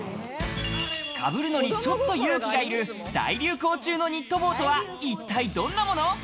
かぶるのにちょっと勇気がいる大流行中のニット帽とは一体どんなもの？